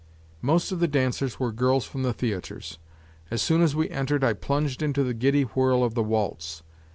Most of the dancers were girls from the theaters. As soon as we entered I plunged into the giddy whirl of the waltz.